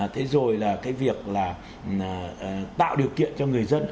thế rồi là cái việc là tạo điều kiện cho người dân